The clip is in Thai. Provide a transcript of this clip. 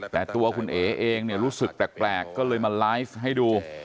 แต่ตัวคุณเอ๋เองเนี่ยรู้สึกแปลกก็เลยมาไลฟ์ให้ดู